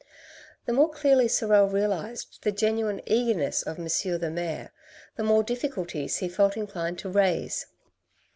The more clearly Sorel realized the genuine eagerness of M. the Mayor, the more difficulties he felt inclined to raise.